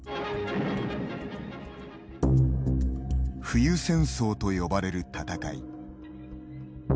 冬戦争と呼ばれる戦い。